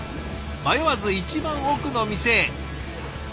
迷わず一番奥の店へ。